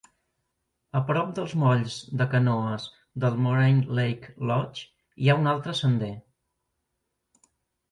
A prop dels molls de canoes del Moraine Lake Lodge hi ha un altre sender.